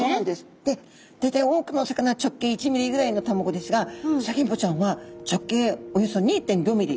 で大体多くのお魚は直径１ｍｍぐらいの卵ですがフサギンポちゃんは直径およそ２．５ｍｍ。